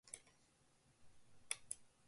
Espero dugu jendearen gustukoa izatea!